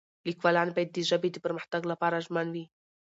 لیکوالان باید د ژبې د پرمختګ لپاره ژمن وي.